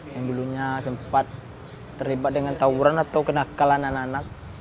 yang dulunya sempat terlibat dengan tawuran atau kenakalan anak anak